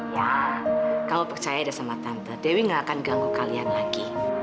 iya kamu percaya deh sama tante dewi nggak akan ganggu kalian lagi